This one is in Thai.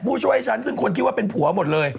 ผู้ช่วยฉันซึ่งคนคิดว่าเป็นผัวหมดเลย